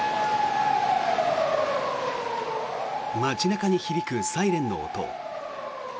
街中に響くサイレンの音。